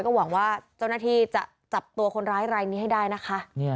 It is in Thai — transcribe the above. ก็หวังว่าเจ้าหน้าที่จะจับตัวคนร้ายรายนี้ให้ได้นะคะ